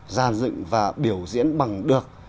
dàn dựng và biểu diễn bằng được